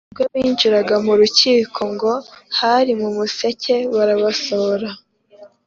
Ubwabo ntibinjira mu rukiko ngo hari mu museke barabasohora